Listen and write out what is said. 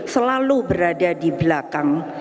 selalu berada di belakang